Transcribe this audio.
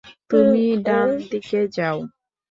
তুমি ডান দিকে যাও।